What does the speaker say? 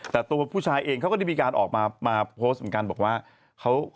แต่ตัวผู้ชายเองเขาก็ได้มีการออกมาโพสต์เหมือนกันบอกว่า